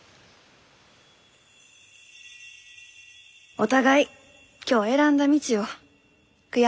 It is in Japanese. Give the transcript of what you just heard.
お互い今日選んだ道を悔やまんこと。